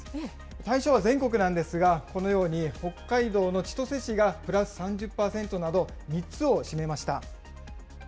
対象は全国なんですが、このように北海道の千歳市がプラス３０％など、３つを占めました。